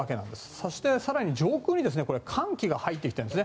そして、上空に寒気が入ってきてるんです。